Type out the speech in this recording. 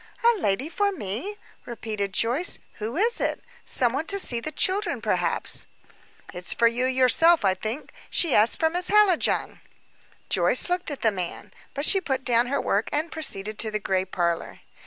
"A lady for me?" repeated Joyce. "Who is it? Some one to see the children, perhaps." "It's for yourself, I think. She asked for Miss Hallijohn." Joyce looked at the man; but she put down her work and proceeded to the gray parlor.